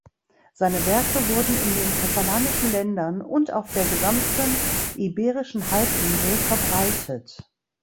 Seine Werke wurden in den katalanischen Ländern und auf der gesamten iberischen Halbinsel verbreitet.